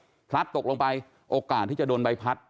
ถ้าพลัดตกลงไปโอกาสที่จะโดนใบพัด